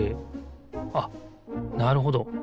あっなるほど。